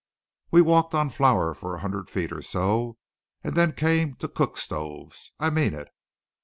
We walked on flour for a hundred feet or so, and then came to cook stoves. I mean it.